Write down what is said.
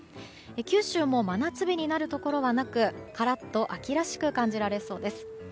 九州も真夏日になるところはなくカラッと秋らしく感じられそうです。